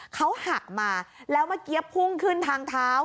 เขาหักมาแล้วเมื่อกี้พุ่งขึ้นทางเท้า